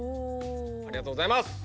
ありがとうございます！